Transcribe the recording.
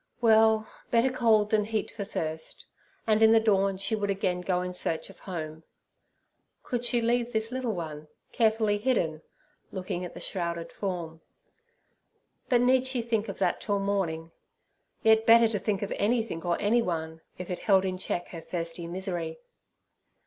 Well, better cold than heat for thirst, and in the dawn she would again go in search of home. Could she leave this little one, carefully hidden?—looking at the shrouded form. But need she think of that till the morning? Yet better to think of anything or anyone, if it held in check her thirsty misery.